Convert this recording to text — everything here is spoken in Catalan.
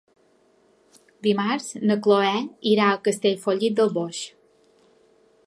Dimarts na Cloè irà a Castellfollit del Boix.